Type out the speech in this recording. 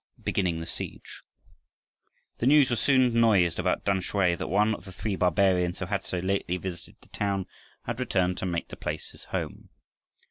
BEGINNING THE SIEGE The news was soon noised about Tamsui that one of the three barbarians who had so lately visited the town had returned to make the place his home.